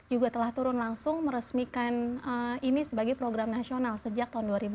juga telah turun langsung meresmikan ini sebagai program nasional sejak tahun dua ribu dua